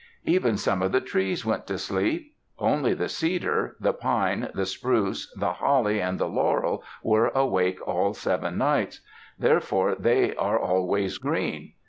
Even some of the trees went to sleep. Only the cedar, the pine, the spruce, the holly, and the laurel were awake all seven nights. Therefore they are always green.